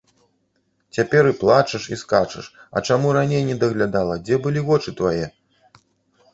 Цяпер і плачаш, і скачаш, а чаму раней не даглядала, дзе былі вочы твае?